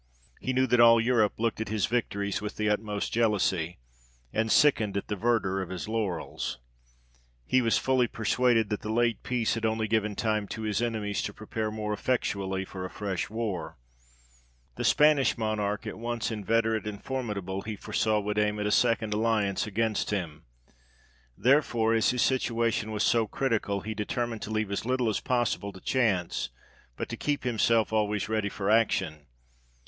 He knew that all Europe looked at his victories with the utmost jealousy, and sickened at the verdure of his laurels : he was fully persuaded, that the late peace had only given time to his enemies to prepare more effectually for a fresh war : the Spanish Monarch, at once inveterate and formidable, he foresaw would aim at a second alliance against him. There fore as his situation was so critical, he determined to "SI VIS PACEM PARA BELLUM." 91 leave as little as possible to chance, but to keep himself always ready for action.